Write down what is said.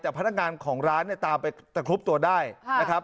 แต่พนักงานของร้านตามไปกระทุบตัวได้นะครับ